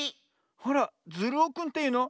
あらズルオくんというの？